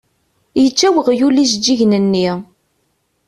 Yečča weɣyul ijeǧǧigen-nni.